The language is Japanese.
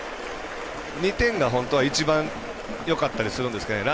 ２点が本当によかったりするんですけどね。